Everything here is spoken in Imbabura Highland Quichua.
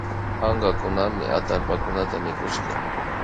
Ankakunami atallpakunata mikushka